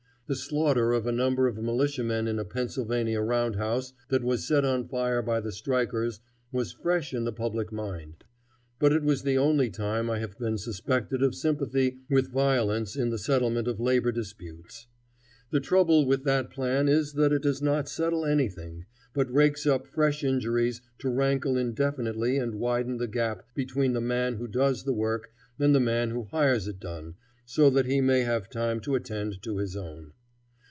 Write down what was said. The slaughter of a number of militiamen in a Pennsylvania round house that was set on fire by the strikers was fresh in the public mind. But it was the only time I have been suspected of sympathy with violence in the settlement of labor disputes. The trouble with that plan is that it does not settle anything, but rakes up fresh injuries to rankle indefinitely and widen the gap between the man who does the work and the man who hires it done so that he may have time to attend to his own.